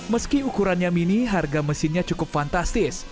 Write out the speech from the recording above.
meski ukurannya mini harga mesinnya cukup fantastis